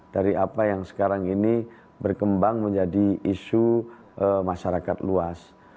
dari apa yang sekarang ini berkembang menjadi isu masyarakat luas